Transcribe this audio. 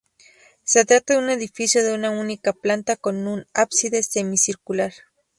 Se trata de un edificio de una única planta con un ábside semicircular.